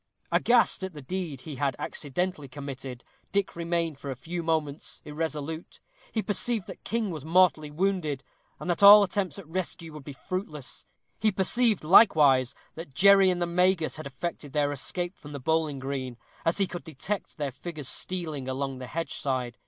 Aghast at the deed he had accidentally committed, Dick remained for a few moments irresolute; he perceived that King was mortally wounded, and that all attempts at rescue would be fruitless; he perceived, likewise, that Jerry and the Magus had effected their escape from the bowling green, as he could detect their figures stealing along the hedge side.